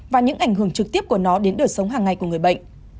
và những ảnh hưởng trực tiếp của nó đến đời sống hàng ngày của người bệnh